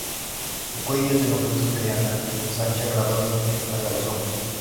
Su cuello, es de longitud mediana y se ensancha gradualmente hacia los hombros.